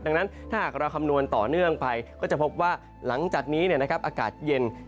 ดังนั้นถ้าหากเราคำนวณต่อเนื่องไปก็จะพบว่าหลังจากนี้อากาศเย็น